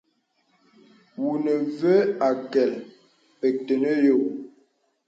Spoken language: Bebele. Wu nə və akə̀l, pək tənə yɔ̀.